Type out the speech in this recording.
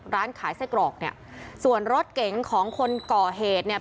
ร้านขายไส้กรอกเนี่ยส่วนรถเก๋งของคนก่อเหตุเนี่ย